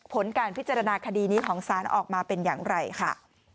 ผลการพิจารณาคดีนี้ของศาลออกมาเป็นอย่างไรค่ะ